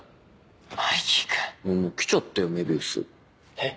えっ？